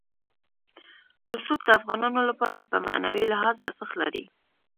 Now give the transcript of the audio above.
رسوب د افغانانو لپاره په معنوي لحاظ ارزښت لري.